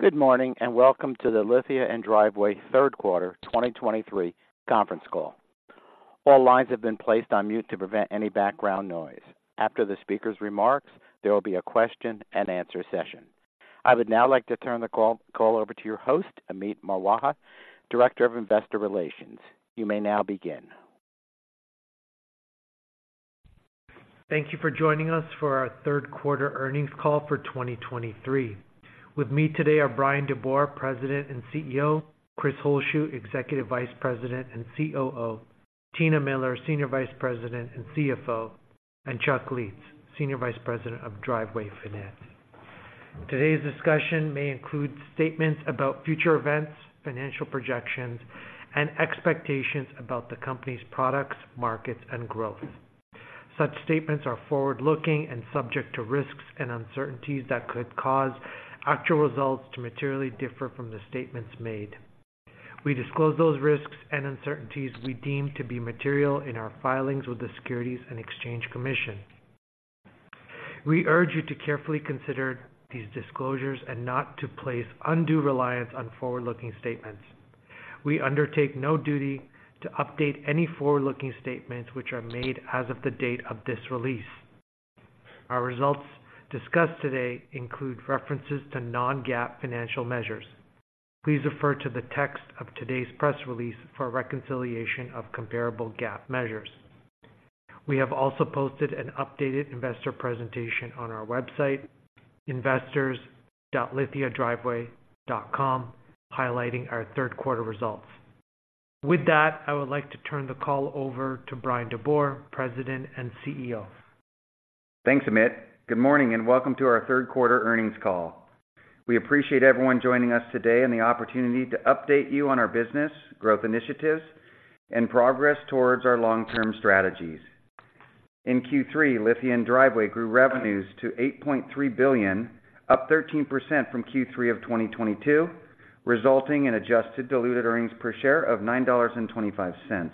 Good morning, and welcome to the Lithia & Driveway third quarter 2023 conference call. All lines have been placed on mute to prevent any background noise. After the speaker's remarks, there will be a question-and-answer session. I would now like to turn the call over to your host, Amit Marwaha, Director of Investor Relations. You may now begin. Thank you for joining us for our third quarter earnings call for 2023. With me today are Bryan DeBoer, President and CEO, Chris Holzshu, Executive Vice President and COO, Tina Miller, Senior Vice President and CFO, and Chuck Lietz, Senior Vice President of Driveway Finance. Today's discussion may include statements about future events, financial projections, and expectations about the company's products, markets, and growth. Such statements are forward-looking and subject to risks and uncertainties that could cause actual results to materially differ from the statements made. We disclose those risks and uncertainties we deem to be material in our filings with the Securities and Exchange Commission. We urge you to carefully consider these disclosures and not to place undue reliance on forward-looking statements. We undertake no duty to update any forward-looking statements which are made as of the date of this release. Our results discussed today include references to non-GAAP financial measures. Please refer to the text of today's press release for a reconciliation of comparable GAAP measures. We have also posted an updated investor presentation on our website, investors.lithiadriveway.com, highlighting our third quarter results. With that, I would like to turn the call over to Bryan DeBoer, President and CEO. Thanks, Amit. Good morning, and welcome to our third quarter earnings call. We appreciate everyone joining us today and the opportunity to update you on our business, growth initiatives, and progress towards our long-term strategies. In Q3, Lithia & Driveway grew revenues to $8.3 billion, up 13% from Q3 of 2022, resulting in adjusted diluted earnings per share of $9.25.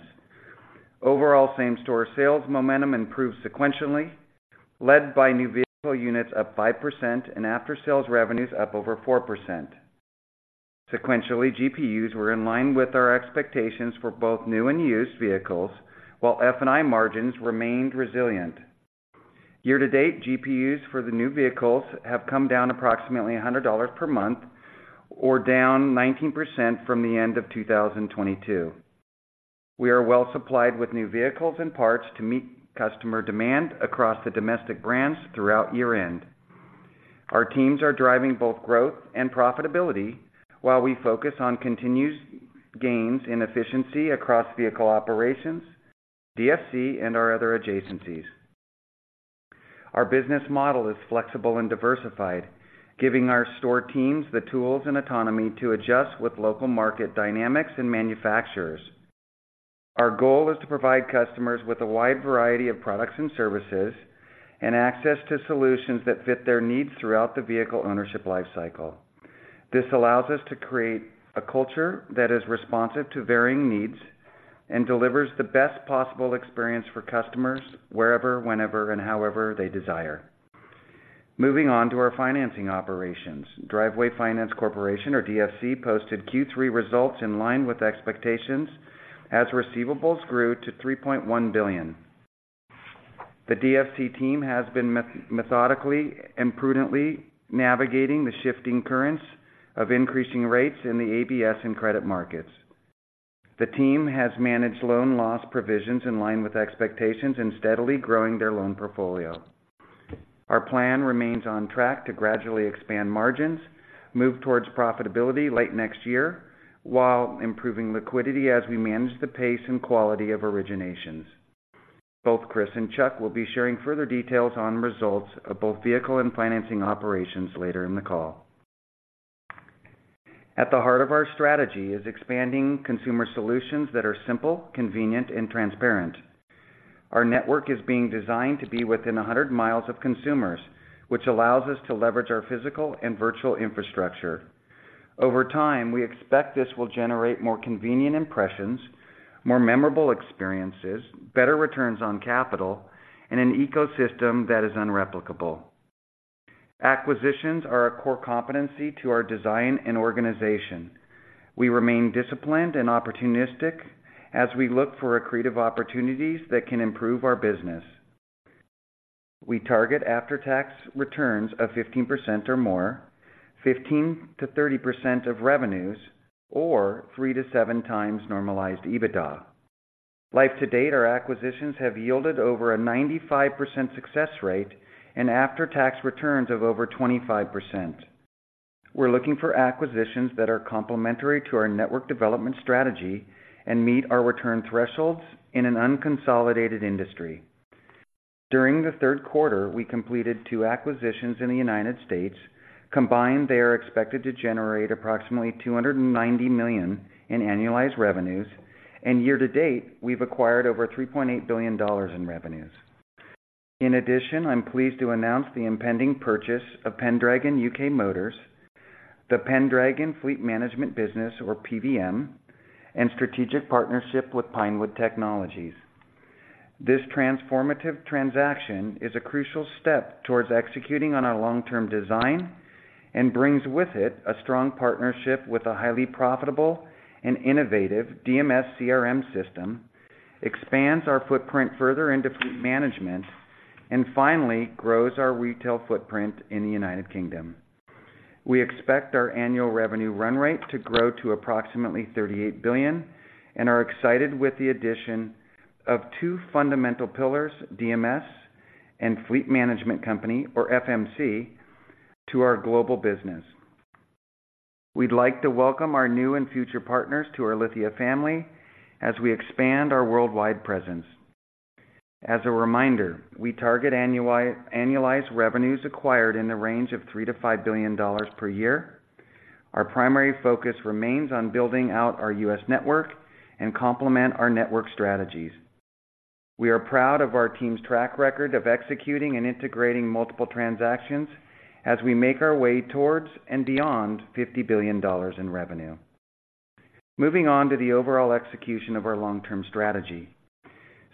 Overall, same-store sales momentum improved sequentially, led by new vehicle units up 5% and after-sales revenues up over 4%. Sequentially, GPUs were in line with our expectations for both new and used vehicles, while F&I margins remained resilient. Year-to-date, GPUs for the new vehicles have come down approximately $100 per month or down 19% from the end of 2022. We are well supplied with new vehicles and parts to meet customer demand across the domestic brands throughout year-end. Our teams are driving both growth and profitability while we focus on continuous gains in efficiency across vehicle operations, DFC, and our other adjacencies. Our business model is flexible and diversified, giving our store teams the tools and autonomy to adjust with local market dynamics and manufacturers. Our goal is to provide customers with a wide variety of products and services and access to solutions that fit their needs throughout the vehicle ownership lifecycle. This allows us to create a culture that is responsive to varying needs and delivers the best possible experience for customers wherever, whenever, and however they desire. Moving on to our financing operations. Driveway Finance Corporation, or DFC, posted Q3 results in line with expectations as receivables grew to $3.1 billion. The DFC team has been methodically and prudently navigating the shifting currents of increasing rates in the ABS and credit markets. The team has managed loan loss provisions in line with expectations and steadily growing their loan portfolio. Our plan remains on track to gradually expand margins, move towards profitability late next year, while improving liquidity as we manage the pace and quality of originations. Both Chris and Chuck will be sharing further details on results of both vehicle and financing operations later in the call. At the heart of our strategy is expanding consumer solutions that are simple, convenient, and transparent. Our network is being designed to be within 100 mi of consumers, which allows us to leverage our physical and virtual infrastructure. Over time, we expect this will generate more convenient impressions, more memorable experiences, better returns on capital, and an ecosystem that is unreplicable. Acquisitions are a core competency to our design and organization. We remain disciplined and opportunistic as we look for accretive opportunities that can improve our business. We target after-tax returns of 15% or more, 15%-30% of revenues, or 3x-7x normalized EBITDA. Life to date, our acquisitions have yielded over a 95% success rate and after-tax returns of over 25%. We're looking for acquisitions that are complementary to our network development strategy and meet our return thresholds in an unconsolidated industry. During the third quarter, we completed two acquisitions in the United States. Combined, they are expected to generate approximately $290 million in annualized revenues, and year-to-date, we've acquired over $3.8 billion in revenues. In addition, I'm pleased to announce the impending purchase of Pendragon U.K. Motors, the Pendragon Fleet Management business, or PVM, and strategic partnership with Pinewood Technologies. This transformative transaction is a crucial step towards executing on our long-term design, and brings with it a strong partnership with a highly profitable and innovative DMS CRM system, expands our footprint further into fleet management, and finally, grows our retail footprint in the United Kingdom. We expect our annual revenue run rate to grow to approximately $38 billion, and are excited with the addition of two fundamental pillars, DMS and Fleet Management Company, or FMC, to our global business. We'd like to welcome our new and future partners to our Lithia family as we expand our worldwide presence. As a reminder, we target annualized revenues acquired in the range of $3 billion-$5 billion per year. Our primary focus remains on building out our U.S. network and complement our network strategies. We are proud of our team's track record of executing and integrating multiple transactions as we make our way towards and beyond $50 billion in revenue. Moving on to the overall execution of our long-term strategy.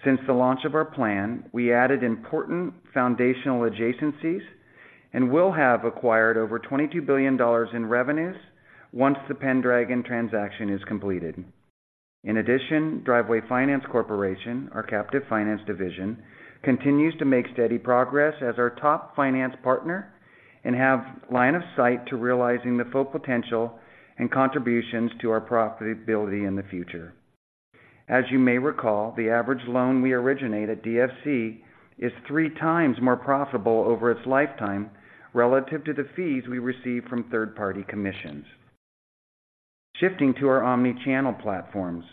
Since the launch of our plan, we added important foundational adjacencies and will have acquired over $22 billion in revenues once the Pendragon transaction is completed. In addition, Driveway Finance Corporation, our captive finance division, continues to make steady progress as our top finance partner and have line of sight to realizing the full potential and contributions to our profitability in the future. As you may recall, the average loan we originate at DFC is three times more profitable over its lifetime relative to the fees we receive from third-party commissions. Shifting to our omni-channel platforms,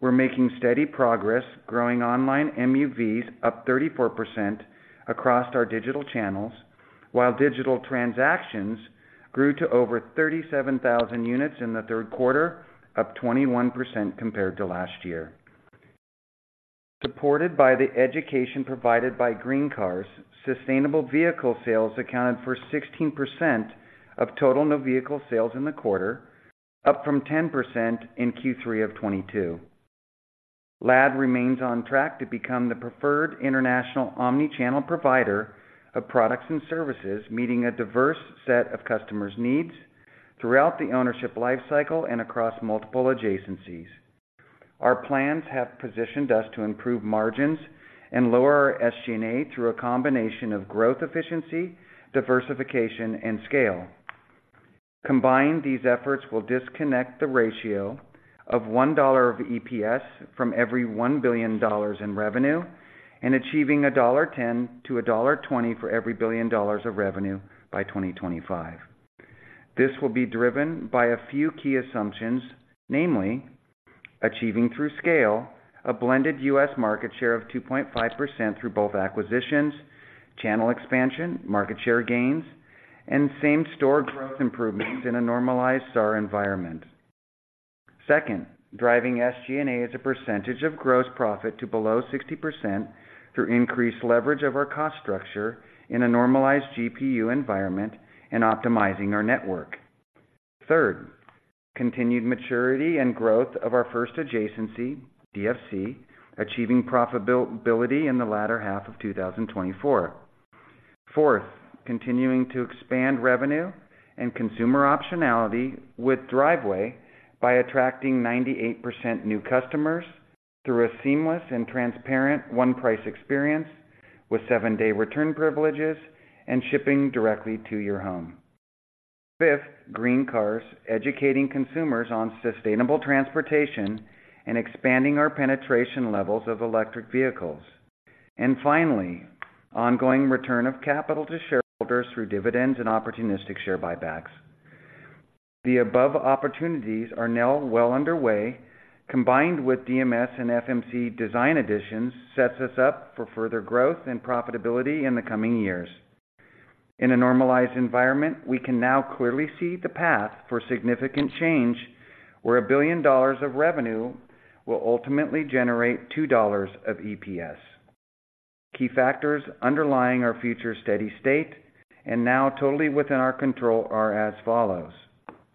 we're making steady progress, growing online MUVs up 34% across our digital channels, while digital transactions grew to over 37,000 units in the third quarter, up 21% compared to last year. Supported by the education provided by GreenCars, sustainable vehicle sales accounted for 16% of total new vehicle sales in the quarter, up from 10% in Q3 of 2022. LAD remains on track to become the preferred international omni-channel provider of products and services, meeting a diverse set of customers' needs throughout the ownership lifecycle and across multiple adjacencies. Our plans have positioned us to improve margins and lower our SG&A through a combination of growth, efficiency, diversification, and scale. Combined, these efforts will disconnect the ratio of $1 of EPS from every $1 billion in revenue, and achieving $1.10-$1.20 for every $1 billion of revenue by 2025. This will be driven by a few key assumptions, namely, achieving through scale a blended U.S. market share of 2.5% through both acquisitions, channel expansion, market share gains, and same-store growth improvements in a normalized SAAR environment. Second, driving SG&A as a percentage of gross profit to below 60% through increased leverage of our cost structure in a normalized GPU environment and optimizing our network. Third, continued maturity and growth of our first adjacency, DFC, achieving profitability in the latter half of 2024. Fourth, continuing to expand revenue and consumer optionality with Driveway by attracting 98% new customers through a seamless and transparent one-price experience with seven-day return privileges and shipping directly to your home. Fifth, GreenCars, educating consumers on sustainable transportation and expanding our penetration levels of electric vehicles. And finally, ongoing return of capital to shareholders through dividends and opportunistic share buybacks. The above opportunities are now well underway, combined with DMS and FMC design additions, sets us up for further growth and profitability in the coming years. In a normalized environment, we can now clearly see the path for significant change, where $1 billion of revenue will ultimately generate $2 of EPS. Key factors underlying our future steady state and now totally within our control, are as follows: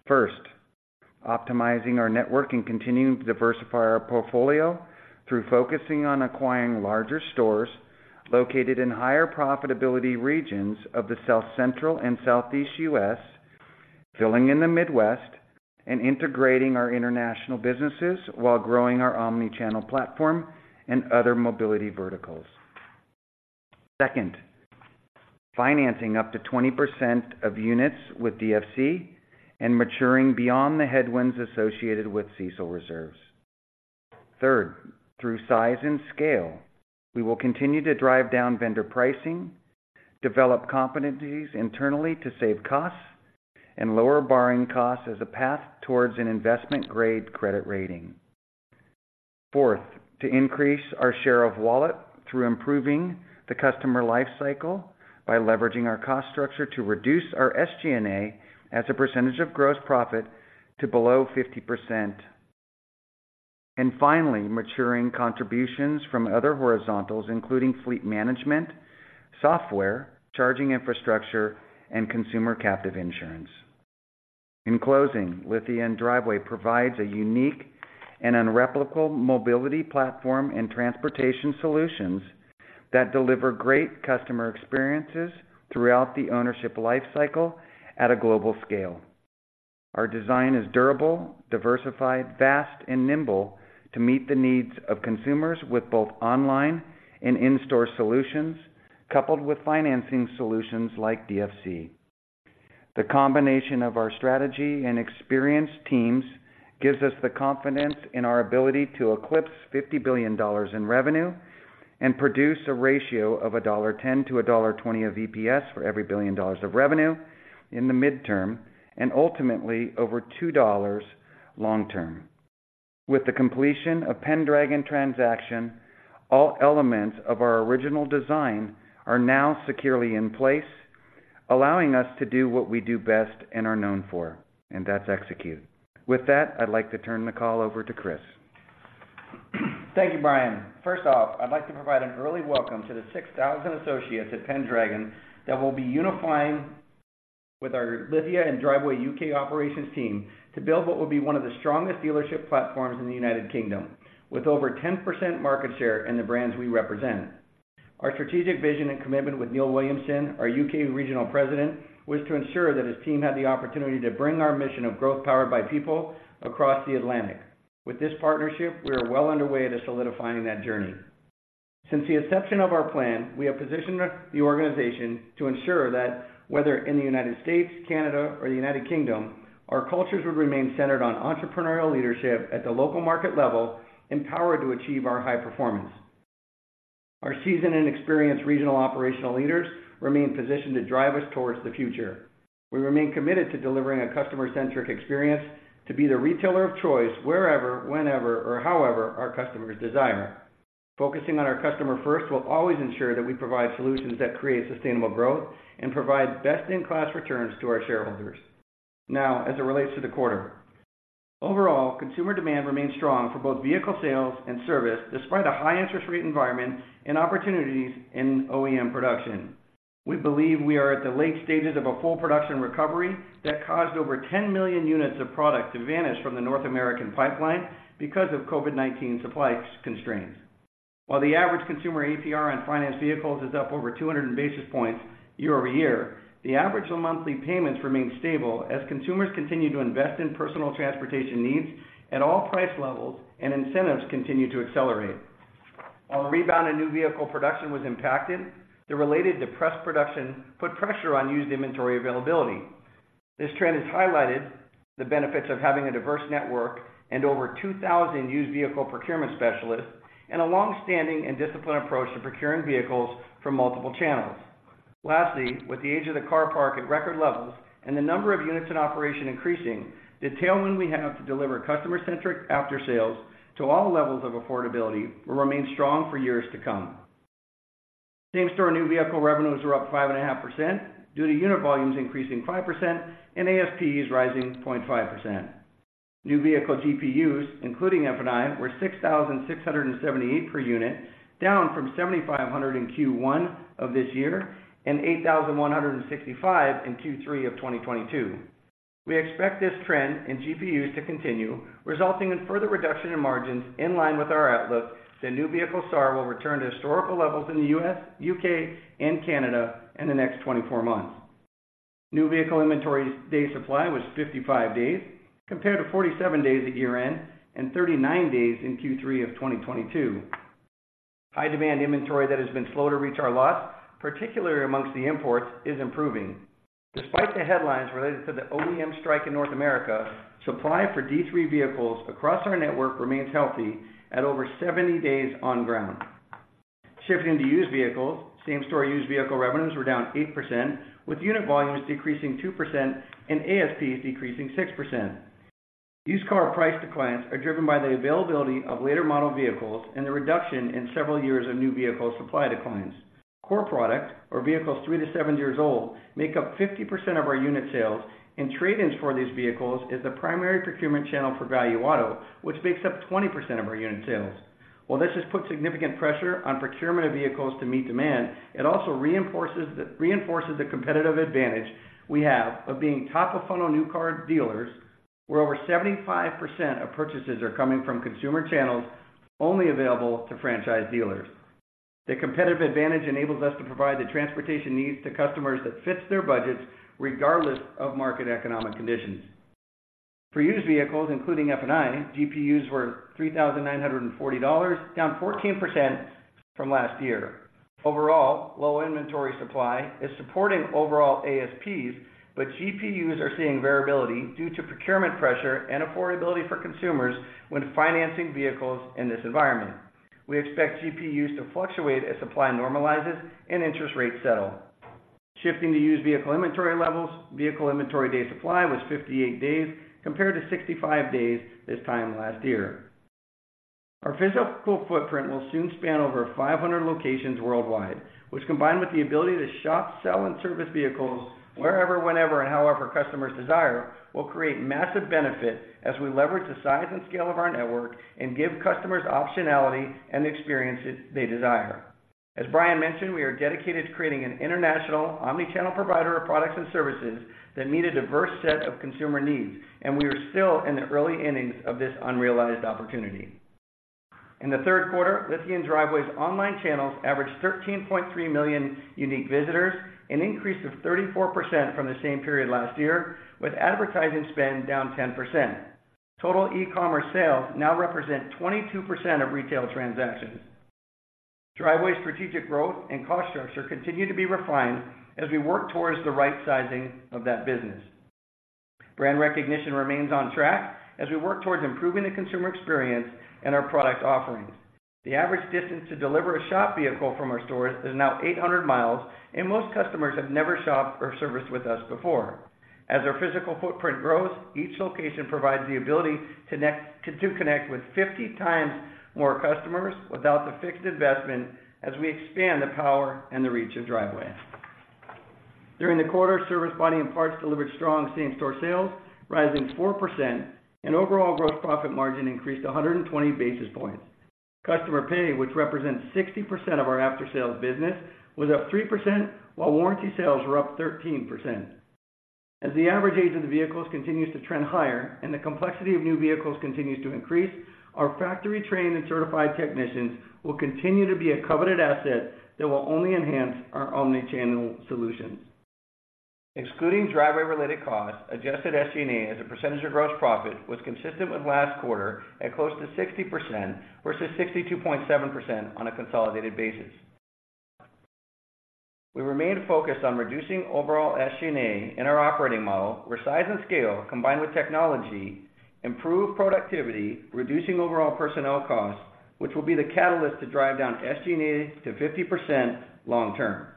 First, optimizing our network and continuing to diversify our portfolio through focusing on acquiring larger stores located in higher profitability regions of the South Central and Southeast U.S., filling in the Midwest, and integrating our international businesses while growing our omni-channel platform and other mobility verticals. Second, financing up to 20% of units with DFC and maturing beyond the headwinds associated with CECL reserves. Third, through size and scale, we will continue to drive down vendor pricing, develop competencies internally to save costs, and lower borrowing costs as a path towards an investment-grade credit rating. Fourth, to increase our share of wallet through improving the customer lifecycle by leveraging our cost structure to reduce our SG&A as a percentage of gross profit to below 50%. Finally, maturing contributions from other horizontals, including fleet management, software, charging infrastructure, and consumer captive insurance. In closing, Lithia & Driveway provides a unique and unreplicable mobility platform and transportation solutions that deliver great customer experiences throughout the ownership life cycle at a global scale. Our design is durable, diversified, fast, and nimble to meet the needs of consumers with both online and in-store solutions, coupled with financing solutions like DFC. The combination of our strategy and experienced teams gives us the confidence in our ability to eclipse $50 billion in revenue and produce a ratio of $1.10-$1.20 of EPS for every $1 billion of revenue in the midterm, and ultimately over $2 long term. With the completion of Pendragon transaction, all elements of our original design are now securely in place, allowing us to do what we do best and are known for, and that's execute. With that, I'd like to turn the call over to Chris. Thank you, Bryan. First off, I'd like to provide an early welcome to the 6,000 associates at Pendragon that will be unifying with our Lithia & Driveway U.K. operations team to build what will be one of the strongest dealership platforms in the United Kingdom, with over 10% market share in the brands we represent. Our strategic vision and commitment with Neil Williamson, our U.K. Regional President, was to ensure that his team had the opportunity to bring our mission of growth powered by people across the Atlantic. With this partnership, we are well underway to solidifying that journey. Since the inception of our plan, we have positioned the organization to ensure that whether in the United States, Canada, or the United Kingdom, our cultures would remain centered on entrepreneurial leadership at the local market level, empowered to achieve our high performance. Our seasoned and experienced regional operational leaders remain positioned to drive us towards the future. We remain committed to delivering a customer-centric experience to be the retailer of choice wherever, whenever, or however our customers desire. Focusing on our customer first will always ensure that we provide solutions that create sustainable growth and provide best-in-class returns to our shareholders. Now, as it relates to the quarter, overall, consumer demand remains strong for both vehicle sales and service, despite a high interest rate environment and opportunities in OEM production. We believe we are at the late stages of a full production recovery that caused over 10 million units of product to vanish from the North American pipeline because of COVID-19 supply constraints. While the average consumer APR on finance vehicles is up over 200 basis points year-over-year, the average monthly payments remain stable as consumers continue to invest in personal transportation needs at all price levels, and incentives continue to accelerate. While the rebound in new vehicle production was impacted, the related depressed production put pressure on used inventory availability. This trend has highlighted the benefits of having a diverse network and over 2,000 used vehicle procurement specialists, and a long-standing and disciplined approach to procuring vehicles from multiple channels. Lastly, with the age of the car park at record levels and the number of units in operation increasing, the tailwind we have to deliver customer-centric aftersales to all levels of affordability will remain strong for years to come. Same-store new vehicle revenues were up 5.5% due to unit volumes increasing 5% and ASPs rising 0.5%. New vehicle GPUs, including F&I, were $6,678 per unit, down from $7,500 in Q1 of this year and $8,165 in Q3 of 2022. We expect this trend in GPUs to continue, resulting in further reduction in margins in line with our outlook, that new vehicle SAAR will return to historical levels in the U.S., U.K., and Canada in the next 24 months. New vehicle inventory day supply was 55 days, compared to 47 days at year-end and 39 days in Q3 of 2022. High-demand inventory that has been slow to reach our lots, particularly among the imports, is improving. Despite the headlines related to the OEM strike in North America, supply for D3 vehicles across our network remains healthy at over 70 days on ground. Shifting to used vehicles, same-store used vehicle revenues were down 8%, with unit volumes decreasing 2% and ASPs decreasing 6%. Used car price declines are driven by the availability of later-model vehicles and the reduction in several years of new vehicle supply declines. Core product, or vehicles three to seven years old, make up 50% of our unit sales, and trade-ins for these vehicles is the primary procurement channel for Value Auto, which makes up 20% of our unit sales. While this has put significant pressure on procurement of vehicles to meet demand, it also reinforces the competitive advantage we have of being top-of-funnel new car dealers, where over 75% of purchases are coming from consumer channels only available to franchise dealers. The competitive advantage enables us to provide the transportation needs to customers that fits their budgets, regardless of market economic conditions. For used vehicles, including F&I, GPUs were $3,940, down 14% from last year. Overall, low inventory supply is supporting overall ASPs, but GPUs are seeing variability due to procurement pressure and affordability for consumers when financing vehicles in this environment. We expect GPUs to fluctuate as supply normalizes and interest rates settle. Shifting to used vehicle inventory levels, vehicle inventory day supply was 58 days, compared to 65 days this time last year. Our physical footprint will soon span over 500 locations worldwide, which, combined with the ability to shop, sell, and service vehicles wherever, whenever, and however customers desire, will create massive benefit as we leverage the size and scale of our network and give customers optionality and the experiences they desire. As Bryan mentioned, we are dedicated to creating an international omni-channel provider of products and services that meet a diverse set of consumer needs, and we are still in the early innings of this unrealized opportunity. In the third quarter, Lithia & Driveway's online channels averaged 13.3 million unique visitors, an increase of 34% from the same period last year, with advertising spend down 10%. Total e-commerce sales now represent 22% of retail transactions. Driveway's strategic growth and cost structure continue to be refined as we work towards the right sizing of that business. Brand recognition remains on track as we work towards improving the consumer experience and our product offerings. The average distance to deliver a shop vehicle from our stores is now 800 miles, and most customers have never shopped or serviced with us before. As our physical footprint grows, each location provides the ability to connect with 50x more customers without the fixed investment as we expand the power and the reach of Driveway. During the quarter, service, body, and parts delivered strong same-store sales, rising 4%, and overall gross profit margin increased 120 basis points. Customer pay, which represents 60% of our after-sales business, was up 3%, while warranty sales were up 13%. As the average age of the vehicles continues to trend higher and the complexity of new vehicles continues to increase, our factory-trained and certified technicians will continue to be a coveted asset that will only enhance our omni-channel solutions. Excluding Driveway-related costs, adjusted SG&A, as a percentage of gross profit, was consistent with last quarter at close to 60% versus 62.7% on a consolidated basis. We remain focused on reducing overall SG&A in our operating model, where size and scale, combined with technology, improve productivity, reducing overall personnel costs, which will be the catalyst to drive down SG&A to 50% long term.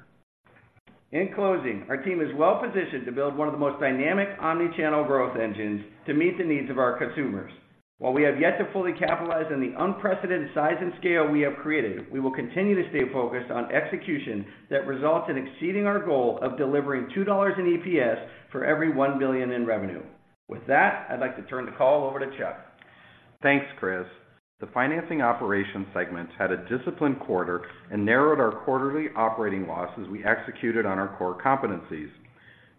In closing, our team is well positioned to build one of the most dynamic omni-channel growth engines to meet the needs of our consumers. While we have yet to fully capitalize on the unprecedented size and scale we have created, we will continue to stay focused on execution that results in exceeding our goal of delivering $2 in EPS for every $1 billion in revenue. With that, I'd like to turn the call over to Chuck. Thanks, Chris. The financing operations segment had a disciplined quarter and narrowed our quarterly operating loss as we executed on our core competencies.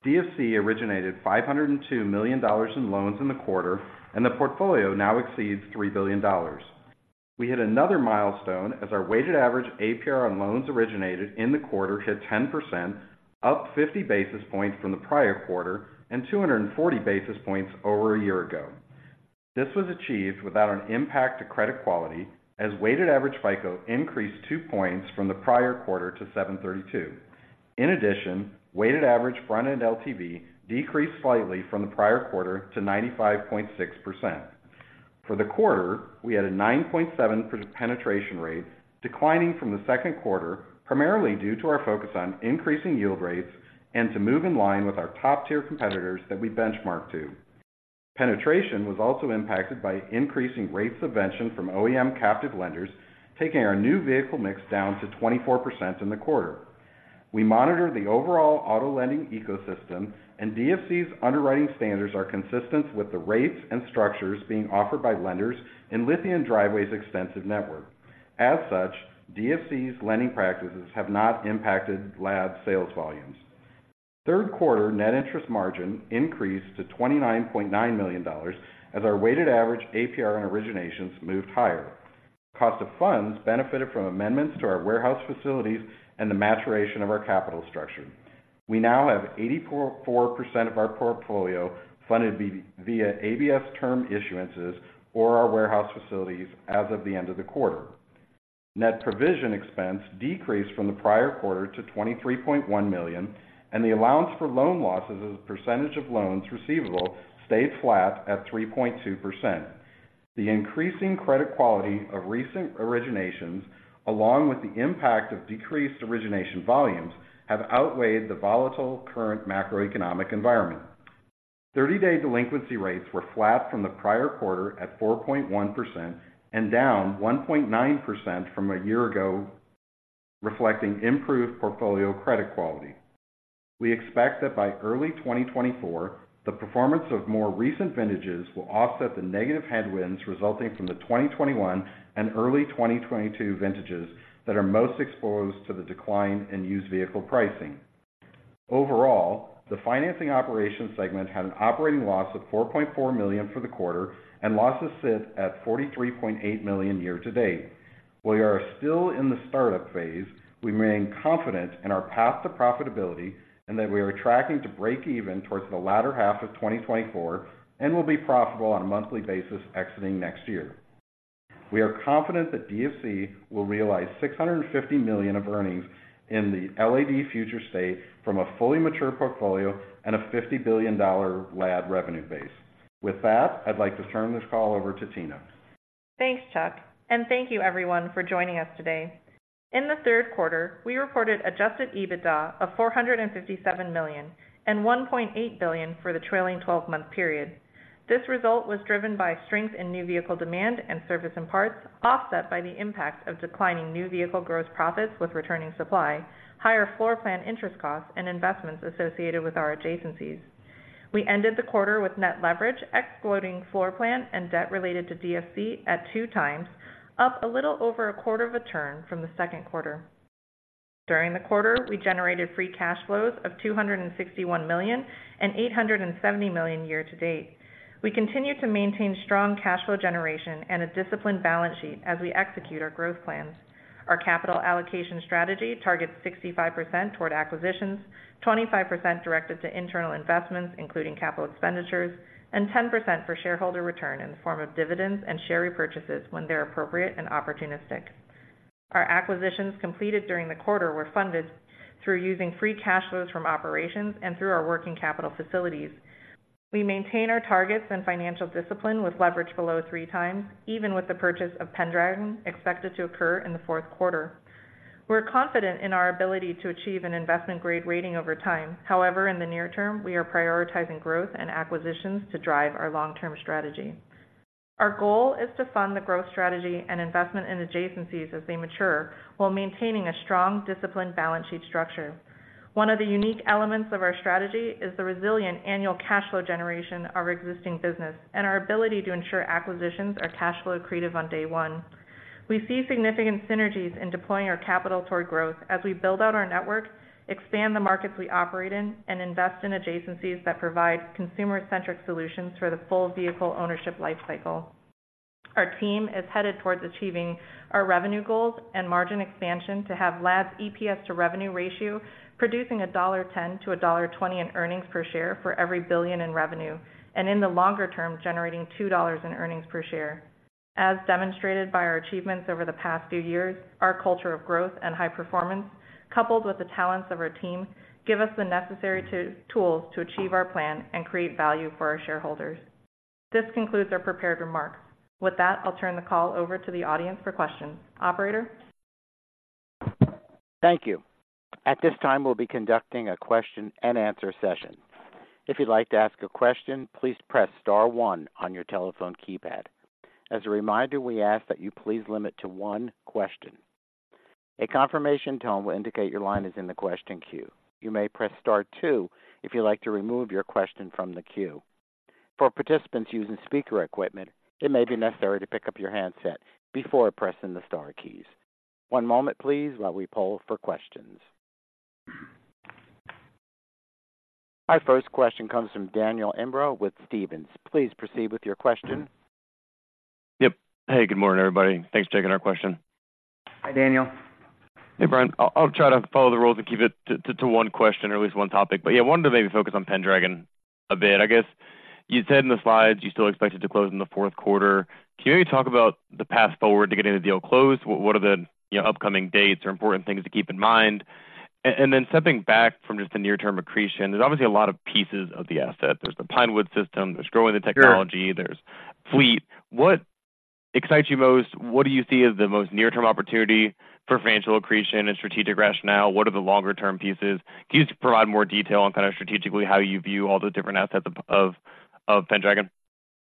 DFC originated $502 million in loans in the quarter, and the portfolio now exceeds $3 billion. We hit another milestone as our weighted average APR on loans originated in the quarter hit 10%, up 50 basis points from the prior quarter and 240 basis points over a year ago. This was achieved without an impact to credit quality, as weighted average FICO increased 2 points from the prior quarter to 732. In addition, weighted average front-end LTV decreased slightly from the prior quarter to 95.6%. For the quarter, we had a 9.7 penetration rate, declining from the second quarter, primarily due to our focus on increasing yield rates and to move in line with our top-tier competitors that we benchmark to. Penetration was also impacted by increasing rate subvention from OEM captive lenders, taking our new vehicle mix down to 24% in the quarter. We monitor the overall auto lending ecosystem, and DFC's underwriting standards are consistent with the rates and structures being offered by lenders in Lithia & Driveway's extensive network. As such, DFC's lending practices have not impacted LAD sales volumes. Third quarter net interest margin increased to $29.9 million, as our weighted average APR and originations moved higher. Cost of funds benefited from amendments to our warehouse facilities and the maturation of our capital structure. We now have 84% of our portfolio funded via ABS term issuances or our warehouse facilities as of the end of the quarter. Net provision expense decreased from the prior quarter to $23.1 million, and the allowance for loan losses as a percentage of loans receivable stayed flat at 3.2%. The increasing credit quality of recent originations, along with the impact of decreased origination volumes, have outweighed the volatile current macroeconomic environment. Thirty-day delinquency rates were flat from the prior quarter at 4.1% and down 1.9% from a year ago, reflecting improved portfolio credit quality. We expect that by early 2024, the performance of more recent vintages will offset the negative headwinds resulting from the 2021 and early 2022 vintages that are most exposed to the decline in used vehicle pricing. Overall, the financing operations segment had an operating loss of $4.4 million for the quarter, and losses sit at $43.8 million year to date. While we are still in the startup phase, we remain confident in our path to profitability and that we are tracking to break even towards the latter half of 2024 and will be profitable on a monthly basis exiting next year. We are confident that DFC will realize $650 million of earnings in the LAD future state from a fully mature portfolio and a $50 billion LAD revenue base. With that, I'd like to turn this call over to Tina. Thanks, Chuck, and thank you everyone for joining us today. In the third quarter, we reported adjusted EBITDA of $457 million and $1.8 billion for the trailing 12-month period. This result was driven by strength in new vehicle demand and service and parts, offset by the impact of declining new vehicle gross profits with returning supply, higher floor plan interest costs, and investments associated with our adjacencies. We ended the quarter with net leverage, excluding floor plan and debt related to DFC at 2x, up a little over a quarter of a turn from the second quarter. During the quarter, we generated free cash flows of $261 million and $870 million year-to-date. We continue to maintain strong cash flow generation and a disciplined balance sheet as we execute our growth plans. Our capital allocation strategy targets 65% toward acquisitions, 25% directed to internal investments, including capital expenditures, and 10% for shareholder return in the form of dividends and share repurchases when they're appropriate and opportunistic. Our acquisitions completed during the quarter were funded through using free cash flows from operations and through our working capital facilities. We maintain our targets and financial discipline with leverage below three times, even with the purchase of Pendragon, expected to occur in the fourth quarter. We're confident in our ability to achieve an investment-grade rating over time. However, in the near term, we are prioritizing growth and acquisitions to drive our long-term strategy. Our goal is to fund the growth strategy and investment in adjacencies as they mature, while maintaining a strong, disciplined balance sheet structure. One of the unique elements of our strategy is the resilient annual cash flow generation of our existing business, and our ability to ensure acquisitions are cash flow accretive on day one. We see significant synergies in deploying our capital toward growth as we build out our network, expand the markets we operate in, and invest in adjacencies that provide consumer-centric solutions for the full vehicle ownership lifecycle. Our team is headed towards achieving our revenue goals and margin expansion to have LAD's EPS to revenue ratio, producing $1.10-$1.20 in earnings per share for every $1 billion in revenue, and in the longer term, generating $2 in earnings per share. As demonstrated by our achievements over the past few years, our culture of growth and high performance, coupled with the talents of our team, give us the necessary tools to achieve our plan and create value for our shareholders. This concludes our prepared remarks. With that, I'll turn the call over to the audience for questions. Operator? Thank you. At this time, we'll be conducting a question and answer session. If you'd like to ask a question, please press star one on your telephone keypad. As a reminder, we ask that you please limit to one question. A confirmation tone will indicate your line is in the question queue. You may press star two if you'd like to remove your question from the queue. For participants using speaker equipment, it may be necessary to pick up your handset before pressing the star keys. One moment, please, while we poll for questions. Our first question comes from Daniel Imbro with Stephens. Please proceed with your question. Yep. Hey, good morning, everybody. Thanks for taking our question. Hi, Daniel. Hey, Bryan. I'll try to follow the rules and keep it to one question or at least one topic. But yeah, I wanted to maybe focus on Pendragon a bit. I guess you said in the slides you still expect it to close in the fourth quarter. Can you talk about the path forward to getting the deal closed? What are the, you know, upcoming dates or important things to keep in mind? And then stepping back from just the near-term accretion, there's obviously a lot of pieces of the asset. There's the Pinewood system, there's growing the technology- Sure. There's fleet. What excites you most? What do you see as the most near-term opportunity for financial accretion and strategic rationale? What are the longer-term pieces? Can you just provide more detail on kind of strategically, how you view all the different assets of Pendragon?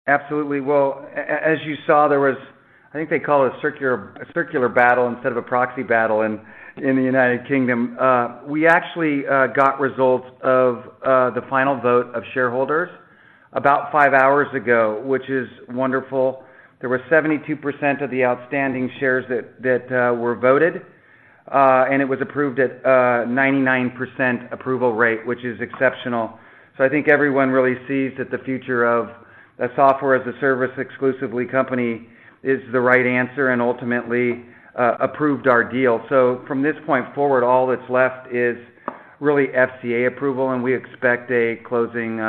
Absolutely. Well, as you saw, there was a circular, a circular battle instead of a proxy battle in the United Kingdom. We actually got results of the final vote of shareholders about five hours ago, which is wonderful. There were 72% of the outstanding shares that were voted, and it was approved at a 99% approval rate, which is exceptional. So I think everyone really sees that the future of a software-as-a-service exclusively company is the right answer and ultimately approved our deal. So from this point forward, all that's left is really FCA approval, and we expect a closing,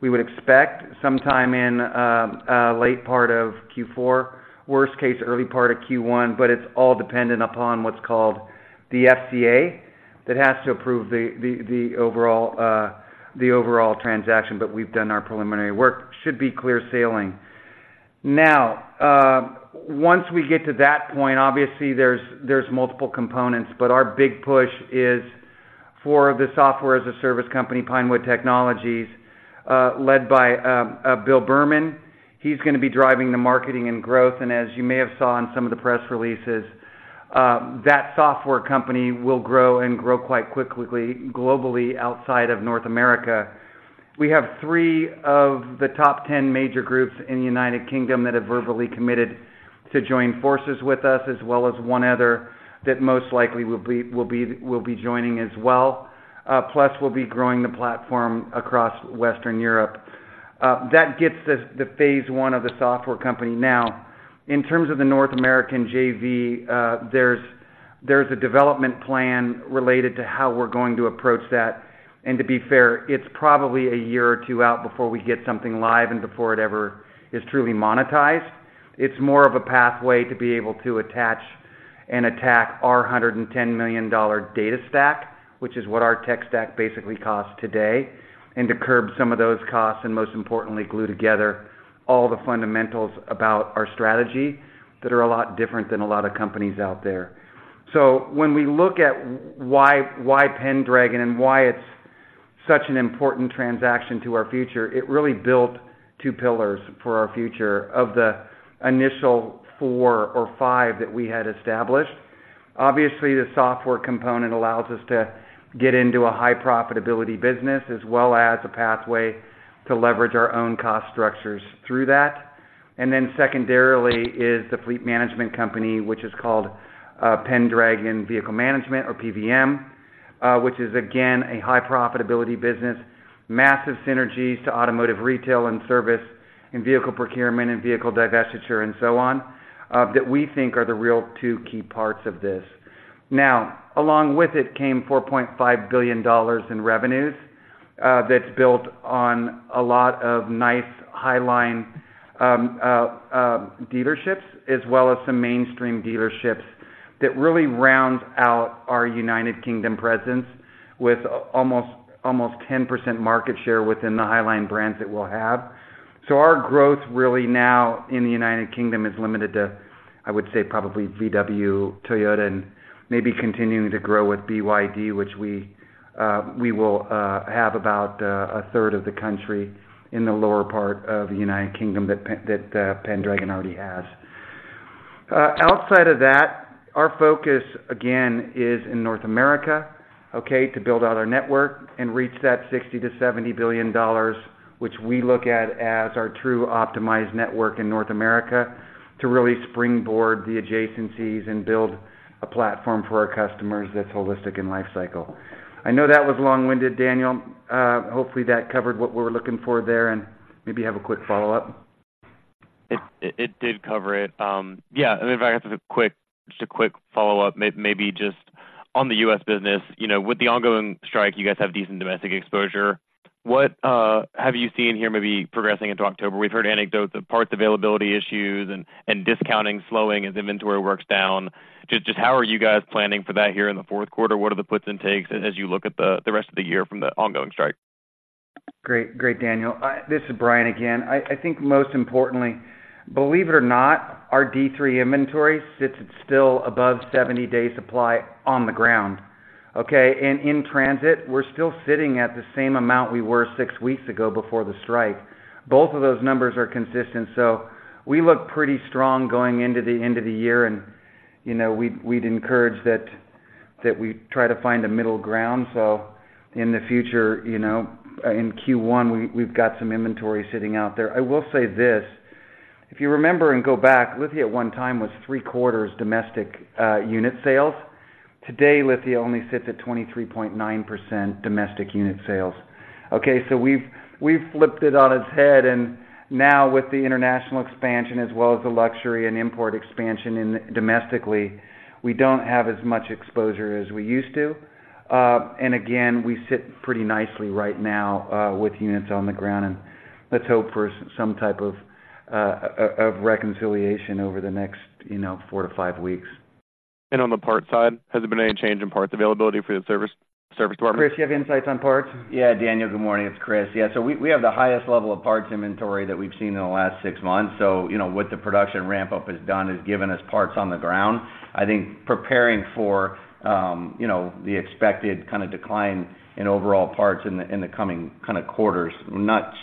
we would expect sometime in late part of Q4, worst case, early part of Q1, but it's all dependent upon what's called the FCA. That has to approve the overall transaction, but we've done our preliminary work. Should be clear sailing. Now, once we get to that point, obviously, there's multiple components, but our big push is for the software as a service company, Pinewood Technologies, led by a Bill Berman. He's going to be driving the marketing and growth, and as you may have saw in some of the press releases, that software company will grow and grow quite quickly, globally outside of North America. We have three of the top ten major groups in the United Kingdom that have verbally committed to join forces with us, as well as one other that most likely will be joining as well. Plus, we'll be growing the platform across Western Europe. That gets us the phase one of the software company. Now, in terms of the North American JV, there's a development plan related to how we're going to approach that. And to be fair, it's probably a year or two out before we get something live and before it ever is truly monetized. It's more of a pathway to be able to attach and attack our $110 million data stack, which is what our tech stack basically costs today, and to curb some of those costs, and most importantly, glue together all the fundamentals about our strategy that are a lot different than a lot of companies out there. So when we look at why, why Pendragon, and why it's such an important transaction to our future, it really built two pillars for our future of the initial four or five that we had established, obviously, the software component allows us to get into a high profitability business, as well as a pathway to leverage our own cost structures through that. And then secondarily is the fleet management company, which is called, Pendragon Vehicle Management or PVM, which is, again, a high profitability business, massive synergies to automotive retail and service and vehicle procurement and vehicle divestiture, and so on, that we think are the real two key parts of this. Now, along with it came $4.5 billion in revenues, that's built on a lot of nice highline dealerships, as well as some mainstream dealerships, that really rounds out our United Kingdom presence with almost, almost 10% market share within the highline brands that we'll have. So our growth really now in the United Kingdom is limited to, I would say, probably VW, Toyota, and maybe continuing to grow with BYD, which we, we will, have about a third of the country in the lower part of the United Kingdom that Pendragon already has. Outside of that, our focus, again, is in North America, okay, to build out our network and reach that $60 billion-$70 billion, which we look at as our true optimized network in North America, to really springboard the adjacencies and build a platform for our customers that's holistic and lifecycle. I know that was long-winded, Daniel. Hopefully, that covered what we're looking for there, and maybe have a quick follow-up? It did cover it. Yeah, and if I have just a quick follow-up, maybe just on the U.S. business. You know, with the ongoing strike, you guys have decent domestic exposure. What have you seen here maybe progressing into October? We've heard anecdotes of parts availability issues and discounting slowing as inventory works down. Just how are you guys planning for that here in the fourth quarter? What are the puts and takes as you look at the rest of the year from the ongoing strike? Great. Great, Daniel. This is Bryan again. I, I think most importantly, believe it or not, our D3 inventory sits at still above 70-day supply on the ground, okay? And in transit, we're still sitting at the same amount we were six weeks ago before the strike. Both of those numbers are consistent, so we look pretty strong going into the end of the year, and, you know, we'd, we'd encourage that, that we try to find a middle ground. So in the future, you know, in Q1, we, we've got some inventory sitting out there. I will say this: if you remember, and go back, Lithia at one time was three-quarters domestic unit sales. Today, Lithia only sits at 23.9% domestic unit sales, okay? So we've flipped it on its head, and now with the international expansion as well as the luxury and import expansion in domestically, we don't have as much exposure as we used to. And again, we sit pretty nicely right now with units on the ground, and let's hope for some type of reconciliation over the next, you know, four to five weeks. On the parts side, has there been any change in parts availability for the service department? Chris, do you have insights on parts? Yeah, Daniel, good morning, it's Chris. Yeah, so we have the highest level of parts inventory that we've seen in the last six months. So you know, what the production ramp-up has done, is given us parts on the ground. I think preparing for, you know, the expected kind of decline in overall parts in the coming kind of quarters,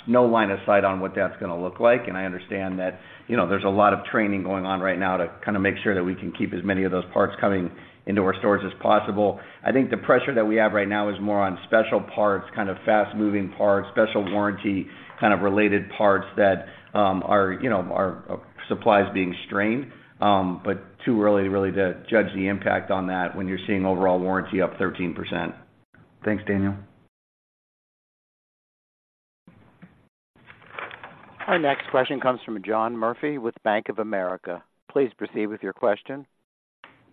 no line of sight on what that's going to look like. And I understand that, you know, there's a lot of training going on right now to kind of make sure that we can keep as many of those parts coming into our stores as possible. I think the pressure that we have right now is more on special parts, kind of fast-moving parts, special warranty, kind of related parts that are, you know, are... Supplies being strained, but too early really to judge the impact on that when you're seeing overall warranty up 13%. Thanks, Daniel. Our next question comes from John Murphy with Bank of America. Please proceed with your question.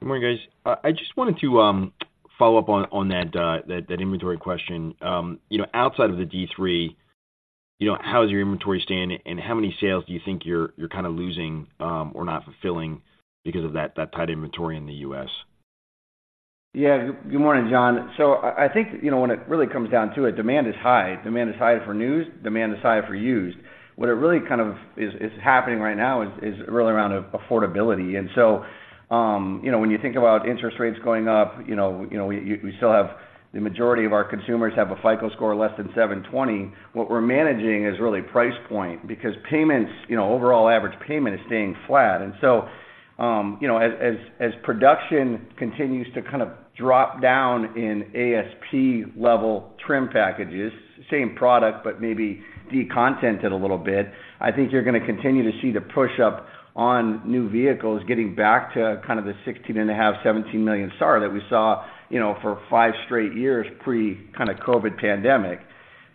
Good morning, guys. I just wanted to follow up on that inventory question. You know, outside of the D3, you know, how does your inventory stand, and how many sales do you think you're kind of losing or not fulfilling because of that tight inventory in the U.S.? Yeah. Good morning, John. So I think, you know, when it really comes down to it, demand is high. Demand is high for new, demand is high for used. What it really kind of is happening right now is really around affordability. And so, you know, when you think about interest rates going up, you know, we still have the majority of our consumers have a FICO score less than 720. What we're managing is really price point, because payments, you know, overall average payment is staying flat. So, you know, as production continues to kind of drop down in ASP-level trim packages, same product, but maybe decontent it a little bit, I think you're going to continue to see the push up on new vehicles getting back to kind of the 16.5 million-17 million SAAR that we saw, you know, for five straight years, pre kind of COVID pandemic.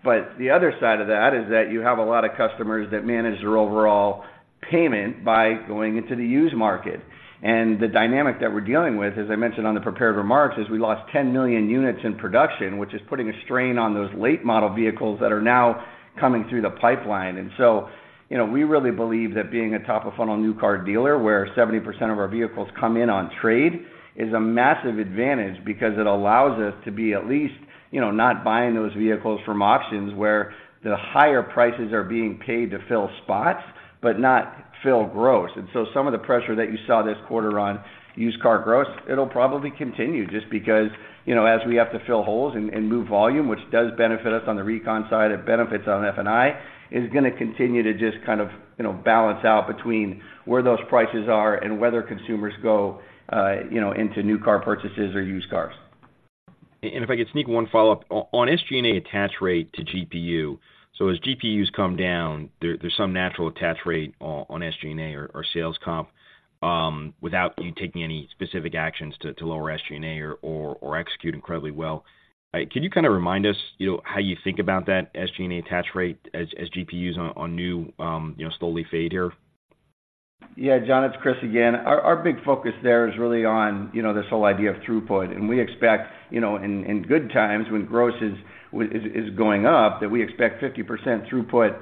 But the other side of that is that you have a lot of customers that manage their overall payment by going into the used market. And the dynamic that we're dealing with, as I mentioned on the prepared remarks, is we lost 10 million units in production, which is putting a strain on those late-model vehicles that are now coming through the pipeline. And so, you know, we really believe that being a top-of-funnel new car dealer, where 70% of our vehicles come in on trade, is a massive advantage because it allows us to be at least, you know, not buying those vehicles from auctions, where the higher prices are being paid to fill spots, but not fill gross. And so some of the pressure that you saw this quarter on used car gross, it'll probably continue just because, you know, as we have to fill holes and, and move volume, which does benefit us on the recon side, it benefits on F&I, is going to continue to just kind of, you know, balance out between where those prices are and whether consumers go, you know, into new car purchases or used cars. If I could sneak one follow-up, on SG&A attach rate to GPU. So as GPUs come down, there's some natural attach rate on SG&A or sales comp, without you taking any specific actions to lower SG&A or execute incredibly well. Can you kind of remind us, you know, how you think about that SG&A attach rate as GPUs on new, you know, slowly fade here? Yeah, John, it's Chris again. Our big focus there is really on, you know, this whole idea of throughput. And we expect, you know, in good times when gross is going up, that we expect 50% throughput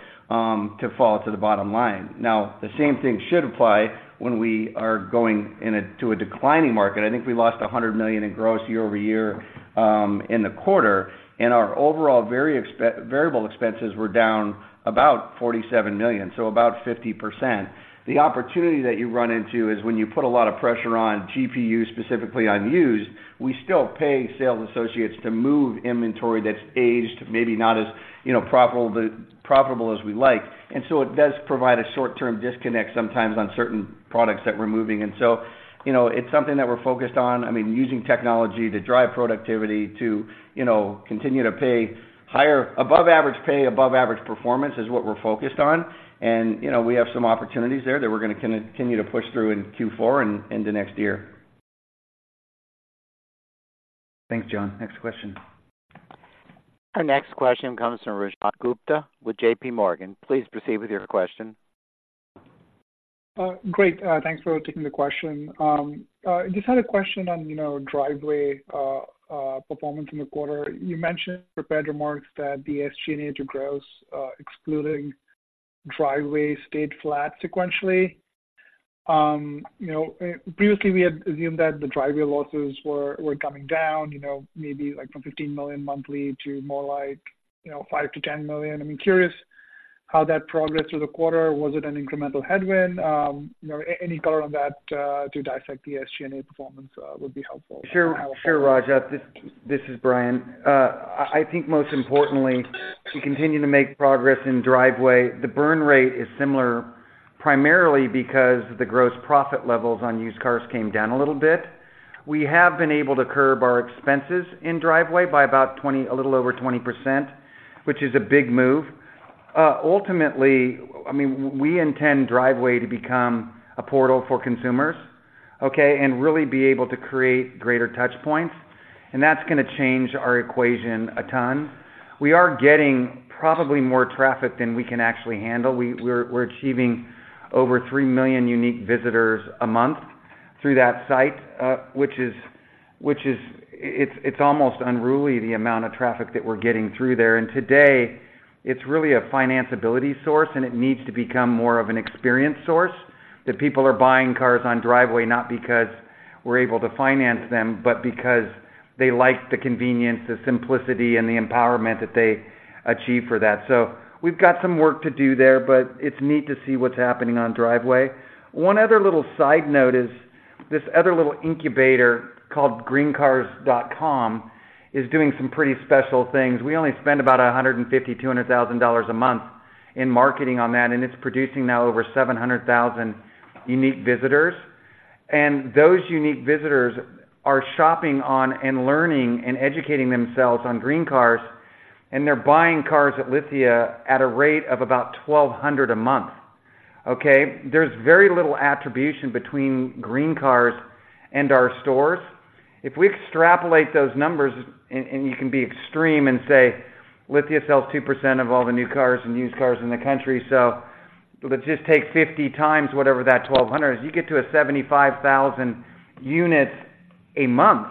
to fall to the bottom line. Now, the same thing should apply when we are going into a declining market. I think we lost $100 million in gross year-over-year in the quarter, and our overall variable expenses were down about $47 million, so about 50%. The opportunity that you run into is when you put a lot of pressure on GPU, specifically on used, we still pay sales associates to move inventory that's aged, maybe not as, you know, profitable as we like. So it does provide a short-term disconnect sometimes on certain products that we're moving. So, you know, it's something that we're focused on, I mean, using technology to drive productivity to, you know, continue to pay higher—above average pay, above average performance is what we're focused on. And, you know, we have some opportunities there that we're going to continue to push through in Q4 and the next year. Thanks, John. Next question. Our next question comes from Rajat Gupta with J.P. Morgan. Please proceed with your question. Great. Thanks for taking the question. Just had a question on, you know, Driveway performance in the quarter. You mentioned prepared remarks that the SG&A to gross, excluding Driveway, stayed flat sequentially. You know, previously, we had assumed that the Driveway losses were coming down, you know, maybe like from $15 million monthly to more like $5 million-$10 million. I'm curious how that progressed through the quarter. Was it an incremental headwind? You know, any color on that to dissect the SG&A performance would be helpful. Sure, sure, Raja. This, this is Bryan. I think most importantly, we continue to make progress in Driveway. The burn rate is similar, primarily because the gross profit levels on used cars came down a little bit. We have been able to curb our expenses in Driveway by about 20, a little over 20%, which is a big move. Ultimately, I mean, we intend Driveway to become a portal for consumers, okay? And really be able to create greater touchpoints, and that's going to change our equation a ton. We are getting probably more traffic than we can actually handle. We're, we're achieving over 3 million unique visitors a month through that site, which is, which is, it's, it's almost unruly, the amount of traffic that we're getting through there. Today, it's really a financability source, and it needs to become more of an experience source, that people are buying cars on Driveway, not because we're able to finance them, but because they like the convenience, the simplicity, and the empowerment that they achieve for that. So we've got some work to do there, but it's neat to see what's happening on Driveway. One other little side note is, this other little incubator called GreenCars.com is doing some pretty special things. We only spend about $150,000-$200,000 a month in marketing on that, and it's producing now over 700,000 unique visitors. And those unique visitors are shopping on and learning and educating themselves on GreenCars, and they're buying cars at Lithia at a rate of about 1,200 a month, okay? There's very little attribution between GreenCars and our stores. If we extrapolate those numbers, and you can be extreme and say, Lithia sells 2% of all the new cars and used cars in the country, so let's just take 50x whatever that 1,200 is, you get to a 75,000 units a month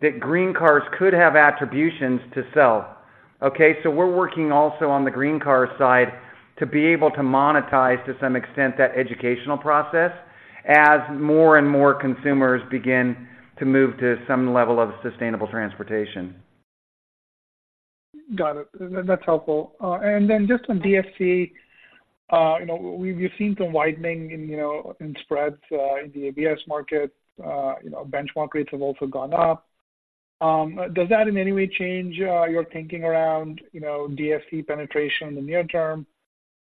that GreenCars could have attributions to sell, okay? So we're working also on the GreenCars side to be able to monetize to some extent, that educational process, as more and more consumers begin to move to some level of sustainable transportation. Got it. That, that's helpful. And then just on DFC, you know, we've, we've seen some widening in, you know, in spreads, in the ABS market. You know, benchmark rates have also gone up. Does that in any way change, your thinking around, you know, DFC penetration in the near term?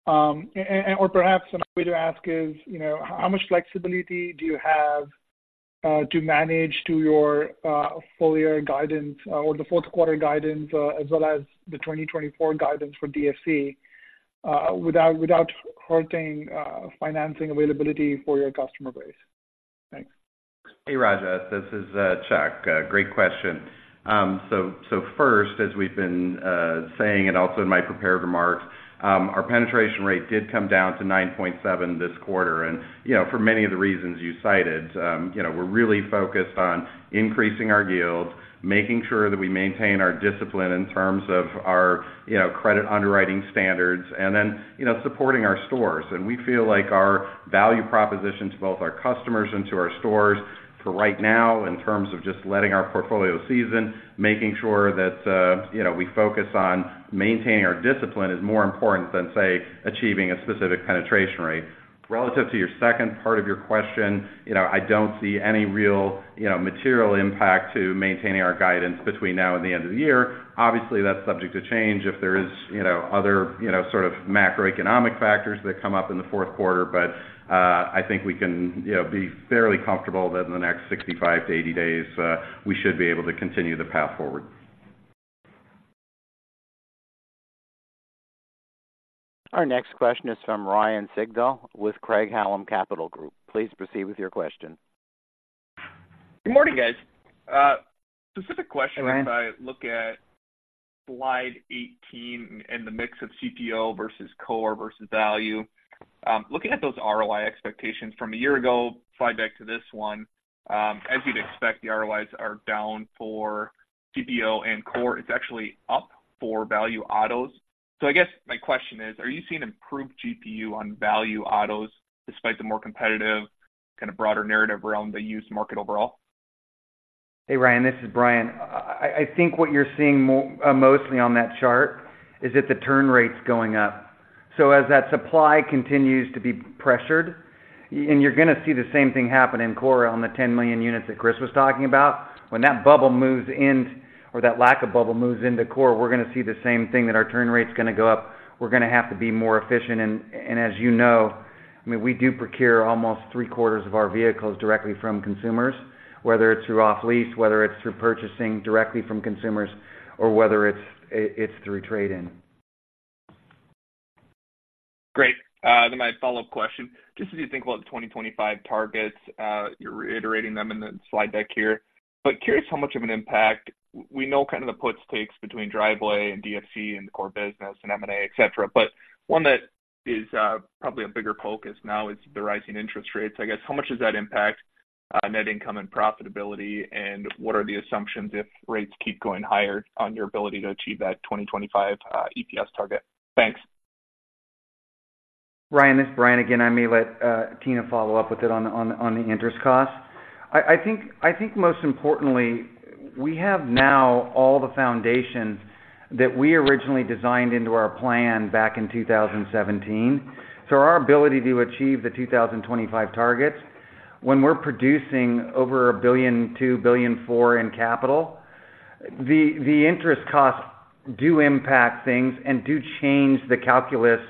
And or perhaps another way to ask is, you know, how much flexibility do you have, to manage to your, full year guidance or the fourth quarter guidance, as well as the 2024 guidance for DFC, without, hurting, financing availability for your customer base? Thanks. Hey, Rajat, this is Chuck. Great question. First, as we've been saying, and also in my prepared remarks, our penetration rate did come down to 9.7% this quarter. You know, for many of the reasons you cited, you know, we're really focused on increasing our yields, making sure that we maintain our discipline in terms of our, you know, credit underwriting standards, and then, you know, supporting our stores. We feel like our value proposition to both our customers and to our stores for right now, in terms of just letting our portfolio season, making sure that, you know, we focus on maintaining our discipline, is more important than, say, achieving a specific penetration rate. Relative to your second part of your question, you know, I don't see any real, you know, material impact to maintaining our guidance between now and the end of the year. Obviously, that's subject to change if there is, you know, other, you know, sort of macroeconomic factors that come up in the fourth quarter. But, I think we can, you know, be fairly comfortable that in the next 65-80 days, we should be able to continue the path forward. Our next question is from Ryan Sigdahl with Craig-Hallum Capital Group. Please proceed with your question. Good morning, guys. Specific question- Hey Ryan. As I look at slide 18 in the mix of CPO versus core versus value. Looking at those ROI expectations from a year ago, slide back to this one, as you'd expect, the ROIs are down for CPO and core. It's actually up for value autos. So I guess my question is: are you seeing improved GPU on value autos despite the more competitive, kinda broader narrative around the used market overall? Hey, Ryan, this is Bryan. I think what you're seeing mostly on that chart is that the turn rate's going up. So as that supply continues to be pressured, and you're gonna see the same thing happen in core on the 10 million units that Chris was talking about. When that bubble moves in, or that lack of bubble moves into core, we're gonna see the same thing, that our turn rate's gonna go up. We're gonna have to be more efficient. And as you know, I mean, we do procure almost three-quarters of our vehicles directly from consumers, whether it's through off lease, whether it's through purchasing directly from consumers, or whether it's through trade-in. Great. Then my follow-up question: just as you think about the 2025 targets, you're reiterating them in the slide deck here, but curious how much of an impact. We know kind of the puts, takes between Driveway and DFC and the core business and M&A, et cetera. But one that is, probably a bigger focus now is the rising interest rates. I guess, how much does that impact, net income and profitability, and what are the assumptions if rates keep going higher on your ability to achieve that 2025, EPS target? Thanks. Ryan, this is Bryan again. I may let Tina follow up with it on the, on the, on the interest cost. I think most importantly, we have now all the foundation that we originally designed into our plan back in 2017. So our ability to achieve the 2025 targets, when we're producing over $1.2 billion-$2.4 billion in capital, the interest costs do impact things and do change the calculus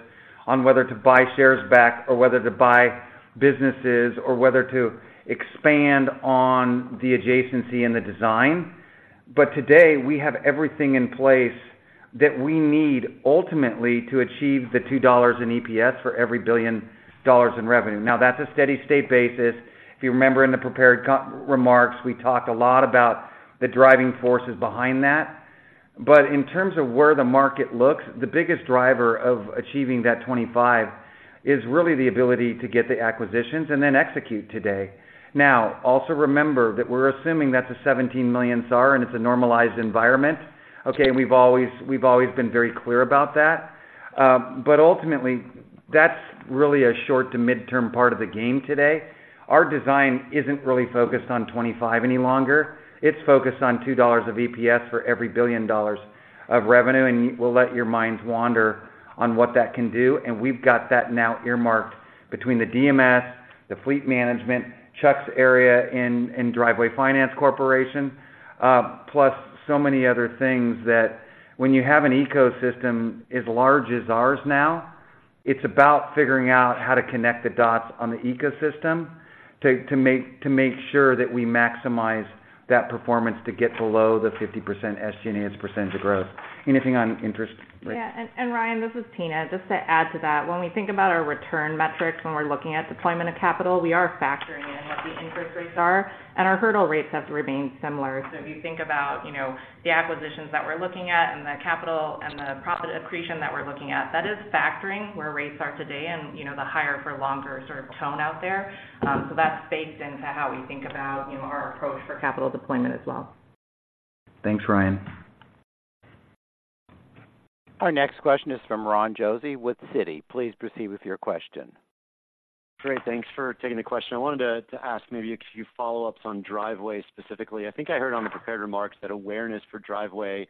on whether to buy shares back or whether to buy businesses, or whether to expand on the adjacency and the design. But today, we have everything in place that we need ultimately to achieve $2 in EPS for every $1 billion in revenue. Now, that's a steady state basis. If you remember in the prepared remarks, we talked a lot about the driving forces behind that. But in terms of where the market looks, the biggest driver of achieving that 25 is really the ability to get the acquisitions and then execute today. Now, also remember that we're assuming that's a 17 million SAAR, and it's a normalized environment. Okay, we've always, we've always been very clear about that. But ultimately, that's really a short- to mid-term part of the game today. Our design isn't really focused on 25 any longer. It's focused on $2 of EPS for every $1 billion of revenue, and we'll let your minds wander on what that can do. We've got that now earmarked between the DMS, the fleet management, Chuck's area in Driveway Finance Corporation, plus so many other things, that when you have an ecosystem as large as ours now, it's about figuring out how to connect the dots on the ecosystem to make sure that we maximize that performance to get below the 50% SG&A as percentage of gross. Anything on interest, Tina? Yeah. And, Ryan, this is Tina. Just to add to that, when we think about our return metrics, when we're looking at deployment of capital, we are factoring in what the interest rates are, and our hurdle rates have remained similar. So if you think about, you know, the acquisitions that we're looking at and the capital and the profit accretion that we're looking at, that is factoring where rates are today and, you know, the higher for longer sort of tone out there. So that's baked into how we think about, you know, our approach for capital deployment as well. Thanks, Ryan. Our next question is from Ron Josey with Citi. Please proceed with your question. Great, thanks for taking the question. I wanted to ask maybe a few follow-ups on Driveway specifically. I think I heard on the prepared remarks that awareness for Driveway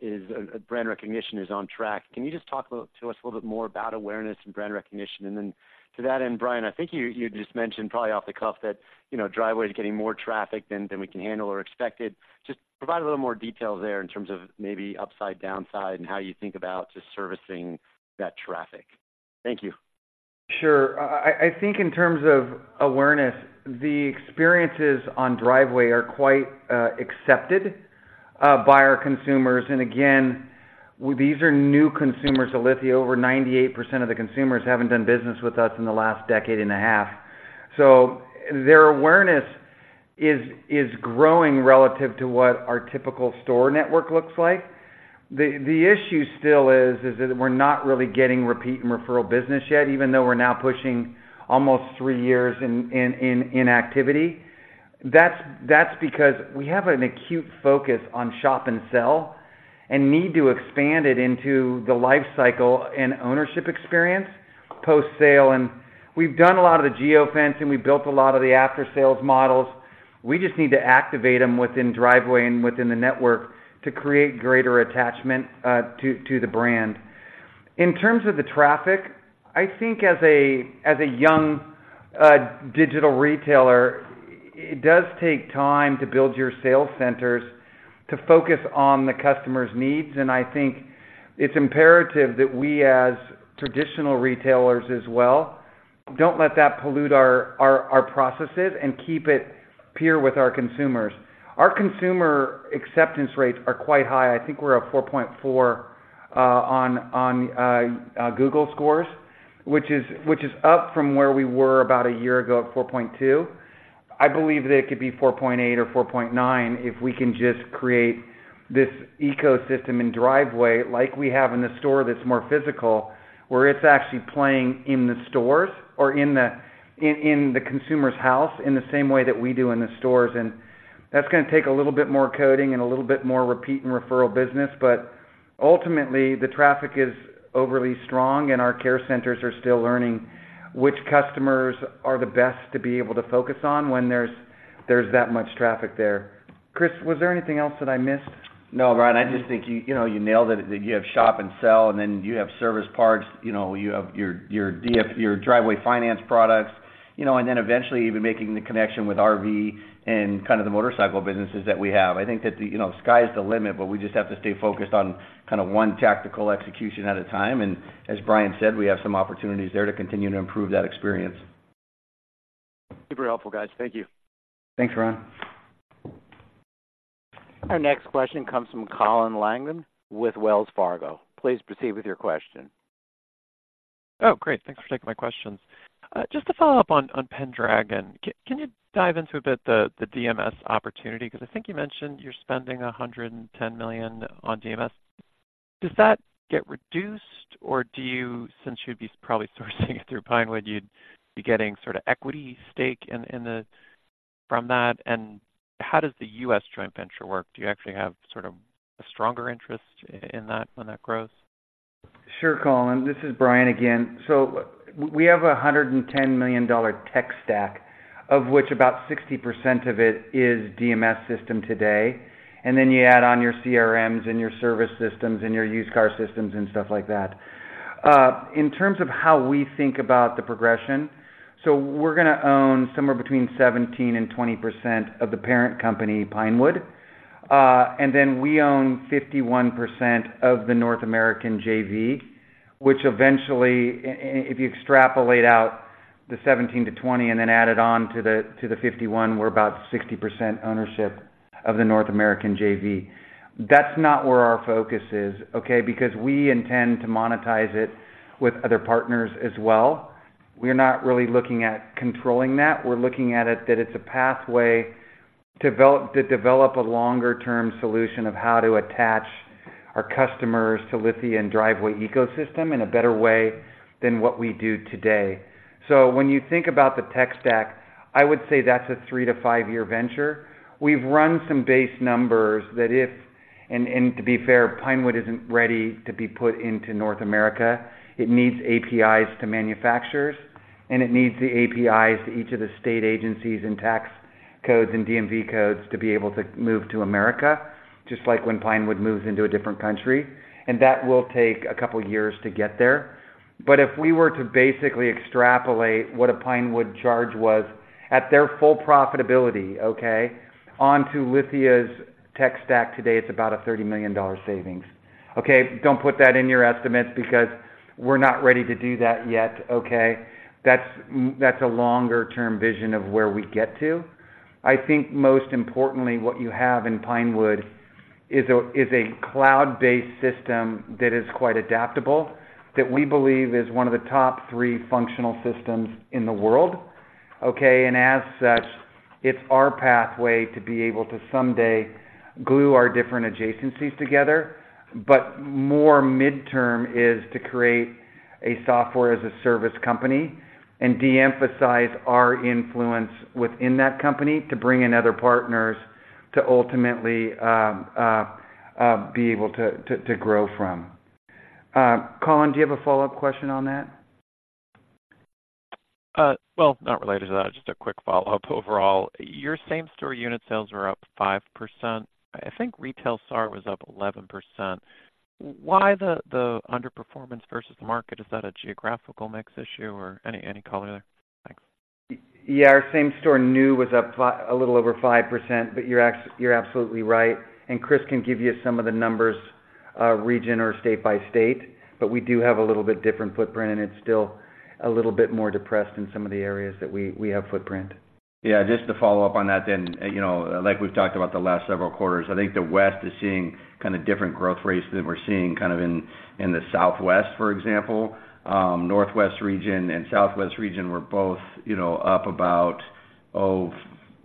is a brand recognition is on track. Can you just talk to us a little bit more about awareness and brand recognition? And then to that end, Bryan, I think you just mentioned probably off the cuff, that you know, Driveway is getting more traffic than we can handle or expected. Just provide a little more detail there in terms of maybe upside, downside, and how you think about just servicing that traffic. Thank you. Sure. I think in terms of awareness, the experiences on Driveway are quite accepted by our consumers. And again, these are new consumers to Lithia. Over 98% of the consumers haven't done business with us in the last decade and a half. So their awareness is growing relative to what our typical store network looks like. The issue still is that we're not really getting repeat and referral business yet, even though we're now pushing almost three years in activity. That's because we have an acute focus on shop and sell, and need to expand it into the life cycle and ownership experience post-sale. And we've done a lot of the geo-fence, and we've built a lot of the after-sales models. We just need to activate them within Driveway and within the network to create greater attachment to the brand. In terms of the traffic, I think as a young digital retailer, it does take time to build your sales centers to focus on the customer's needs. And I think it's imperative that we, as traditional retailers as well, don't let that pollute our processes and keep it pure with our consumers. Our consumer acceptance rates are quite high. I think we're at 4.4 on Google scores, which is up from where we were about a year ago at 4.2. I believe that it could be 4.8 or 4.9, if we can just create this ecosystem in Driveway, like we have in the store that's more physical, where it's actually playing in the stores or in the consumer's house, in the same way that we do in the stores. And that's gonna take a little bit more coding and a little bit more repeat and referral business. But ultimately, the traffic is overly strong, and our care centers are still learning which customers are the best to be able to focus on when there's that much traffic there. Chris, was there anything else that I missed? No, Bryan, I just think you, you know, you nailed it, that you have shop and sell, and then you have service parts. You know, you have your Driveway finance products, you know, and then eventually even making the connection with RV and kind of the motorcycle businesses that we have. I think that the, you know, sky is the limit, but we just have to stay focused on kind of one tactical execution at a time. And as Bryan said, we have some opportunities there to continue to improve that experience. You're very helpful, guys. Thank you. Thanks, Ron. Our next question comes from Colin Langan with Wells Fargo. Please proceed with your question. Oh, great. Thanks for taking my questions. Just to follow up on Pendragon, can you dive into a bit the DMS opportunity? Because I think you mentioned you're spending $110 million on DMS. Does that get reduced, or do you, since you'd be probably sourcing it through Pinewood, you'd be getting sort of equity stake in from that? And how does the U.S. joint venture work? Do you actually have sort of a stronger interest in that when that grows? Sure, Colin, this is Bryan again. So we have a $110 million tech stack, of which about 60% of it is DMS system today, and then you add on your CRMs and your service systems and your used car systems and stuff like that. In terms of how we think about the progression, so we're gonna own somewhere between 17%-20% of the parent company, Pinewood. And then we own 51% of the North American JV, which eventually, if you extrapolate out the 17%-20% and then add it on to the 51%, we're about 60% ownership of the North American JV. That's not where our focus is, okay? Because we intend to monetize it with other partners as well. We're not really looking at controlling that. We're looking at it, that it's a pathway to develop, to develop a longer-term solution of how to attach our customers to Lithia and Driveway ecosystem in a better way than what we do today. So when you think about the tech stack, I would say that's a three to five-year venture. We've run some base numbers that if and to be fair, Pinewood isn't ready to be put into North America. It needs APIs to manufacturers, and it needs the APIs to each of the state agencies, and tax codes, and DMV codes to be able to move to America, just like when Pinewood moves into a different country, and that will take a couple of years to get there. But if we were to basically extrapolate what a Pinewood charge was at their full profitability, okay, onto Lithia's tech stack today, it's about a $30 million savings. Okay, don't put that in your estimates because we're not ready to do that yet, okay? That's a longer-term vision of where we get to. I think most importantly, what you have in Pinewood is a cloud-based system that is quite adaptable, that we believe is one of the top three functional systems in the world, okay? And as such, it's our pathway to be able to someday glue our different adjacencies together. But more midterm is to create a software-as-a-service company and de-emphasize our influence within that company to bring in other partners to ultimately be able to grow from. Colin, do you have a follow-up question on that? Well, not related to that. Just a quick follow-up overall. Your same-store unit sales were up 5%. I think retail SAAR was up 11%. Why the underperformance versus the market? Is that a geographical mix issue or any color there? Thanks. Yeah, our same-store new was up a little over 5%, but you're absolutely right, and Chris can give you some of the numbers, region or state by state, but we do have a little bit different footprint, and it's still a little bit more depressed in some of the areas that we have footprint. Yeah, just to follow up on that then, you know, like we've talked about the last several quarters, I think the West is seeing kind of different growth rates than we're seeing kind of in, in the Southwest, for example. Northwest region and Southwest region were both, you know, up about. They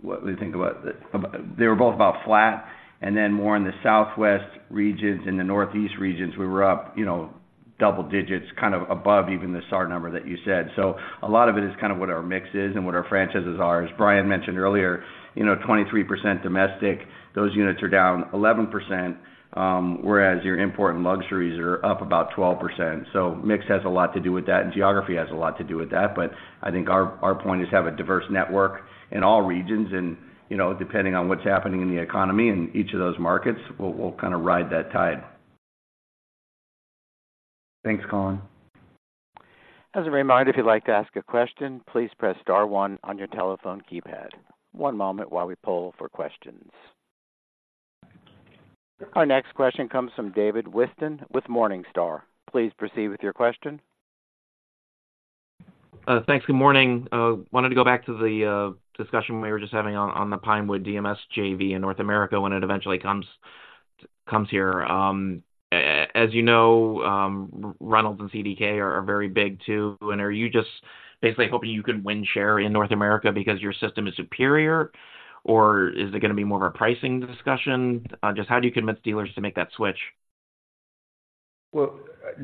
were both about flat, and then more in the Southwest regions, in the Northeast regions, we were up, you know, double digits, kind of above even the SAAR number that you said. So a lot of it is kind of what our mix is and what our franchises are. As Bryan mentioned earlier, you know, 23% domestic, those units are down 11%, whereas your import and luxuries are up about 12%. Mix has a lot to do with that, and geography has a lot to do with that. But I think our point is to have a diverse network in all regions and, you know, depending on what's happening in the economy and each of those markets, we'll kind of ride that tide. Thanks, Colin. As a reminder, if you'd like to ask a question, please press star one on your telephone keypad. One moment while we poll for questions. Our next question comes from David Whiston with Morningstar. Please proceed with your question. Thanks. Good morning. Wanted to go back to the discussion we were just having on the Pinewood DMS JV in North America when it eventually comes here. As you know, Reynolds and CDK are very big, too. And are you just basically hoping you can win share in North America because your system is superior, or is it going to be more of a pricing discussion? Just how do you convince dealers to make that switch? Well,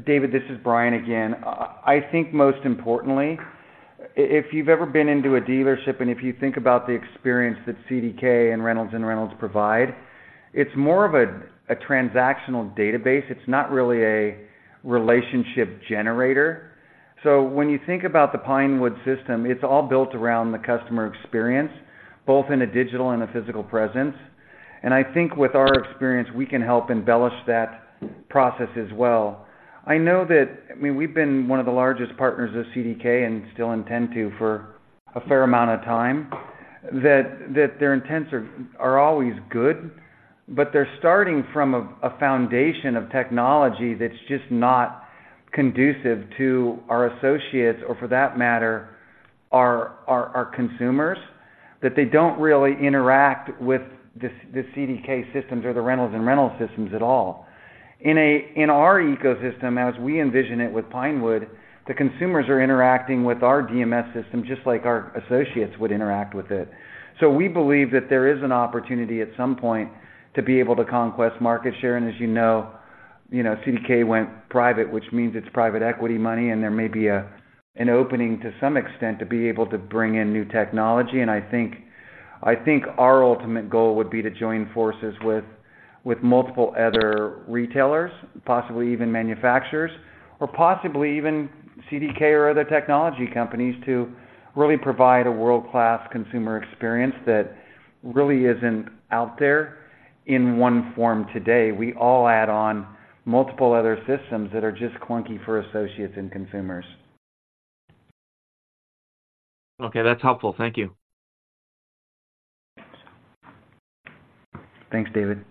David, this is Bryan again. I think most importantly, if you've ever been into a dealership, and if you think about the experience that CDK and Reynolds and Reynolds provide, it's more of a transactional database. It's not really a relationship generator. So when you think about the Pinewood system, it's all built around the customer experience, both in a digital and a physical presence. And I think with our experience, we can help embellish that process as well. I know that. I mean, we've been one of the largest partners of CDK and still intend to for a fair amount of time, that their intents are always good, but they're starting from a foundation of technology that's just not conducive to our associates or for that matter, our consumers. That they don't really interact with the CDK systems or the Reynolds and Reynolds systems at all. In our ecosystem, as we envision it with Pinewood, the consumers are interacting with our DMS system, just like our associates would interact with it. So we believe that there is an opportunity at some point to be able to conquest market share. And as you know, you know, CDK went private, which means it's private equity money, and there may be a, an opening to some extent to be able to bring in new technology. And I think, I think our ultimate goal would be to join forces with, with multiple other retailers, possibly even manufacturers, or possibly even CDK or other technology companies, to really provide a world-class consumer experience that really isn't out there in one form today. We all add on multiple other systems that are just clunky for associates and consumers. Okay, that's helpful. Thank you. Thanks, David.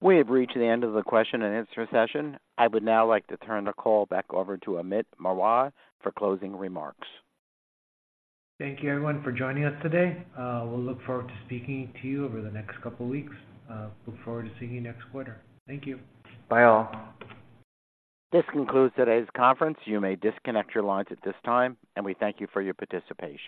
We have reached the end of the question and answer session. I would now like to turn the call back over to Amit Marwaha for closing remarks. Thank you, everyone, for joining us today. We'll look forward to speaking to you over the next couple of weeks. Look forward to seeing you next quarter. Thank you. Bye, all. This concludes today's conference. You may disconnect your lines at this time, and we thank you for your participation.